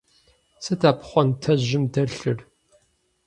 Сыт а пхъуантэжьым дэлъыр?